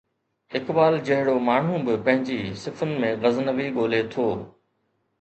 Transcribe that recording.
اقبال جهڙو ماڻهو به پنهنجي صفن ۾ غزنوي ڳولي ٿو.